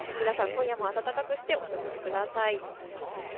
今夜も暖かくしてお過ごしください。